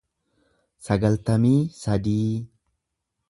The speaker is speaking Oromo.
sagaltamii sadii